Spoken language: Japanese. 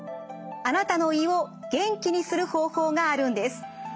あなたの胃を元気にする方法があるんです。